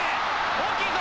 大きいぞ！